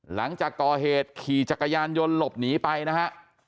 หลังจากก่อเหตุขี่จักรยานยนต์หลบหนีไปนะฮะ